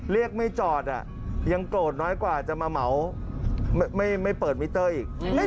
เรียกไม่จอดยังโกรธน้อยกว่าจะมาเหมาไม่เปิดมิเตอร์อีก